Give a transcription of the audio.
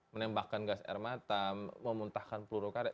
menembakkan gas air mata memuntahkan peluru karet